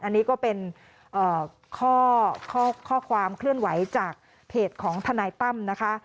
อันนี้ก็เป็นข้อความเคลื่อนไหวจากเพจของทนายตั้มนะคะ